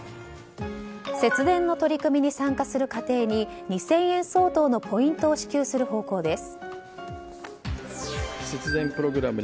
節電の取り組みに参加する家庭に２０００円相当のポイントを支給する方向です。